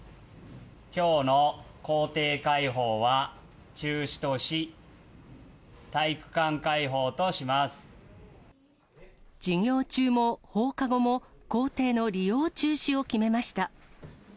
きょうの校庭開放は中止とし、授業中も放課後も、校庭の利用中止を決めました。